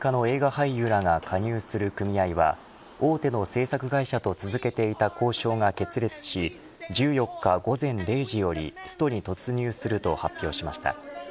アメリカの映画俳優らが加入する組合は大手の制作会社と続けていた交渉が決裂し１４日午前０時よりストに突入すると発表しました。